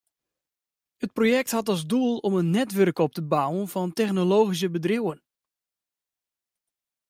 It projekt hat as doel om in netwurk op te bouwen fan technologyske bedriuwen.